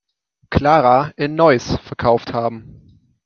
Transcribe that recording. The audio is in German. Klara in Neuss verkauft haben.